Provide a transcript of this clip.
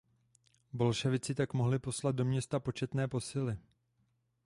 Bolševici tak mohli poslat do města početné posily.